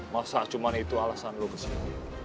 masa cuma itu alasan lo kesini